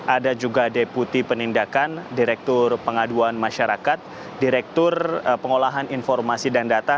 ada juga deputi penindakan direktur pengaduan masyarakat direktur pengolahan informasi dan data